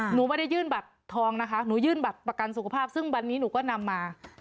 หนูไม่ได้ยื่นบัตรทองนะคะหนูยื่นบัตรประกันสุขภาพซึ่งวันนี้หนูก็นำมา